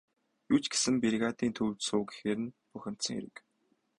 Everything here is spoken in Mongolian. Юу ч гэсэн бригадын төвд суу гэхээр нь бухимдсан хэрэг.